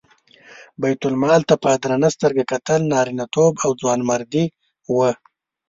بیت المال ته په درنه سترګه کتل نارینتوب او ځوانمردي وه.